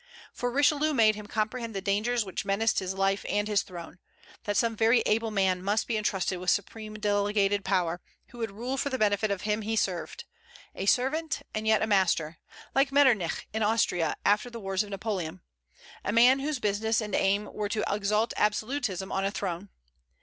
For Richelieu made him comprehend the dangers which menaced his life and his throne; that some very able man must be intrusted with supreme delegated power, who would rule for the benefit of him he served, a servant, and yet a master; like Metternich in Austria, after the wars of Napoleon, a man whose business and aim were to exalt absolutism on a throne.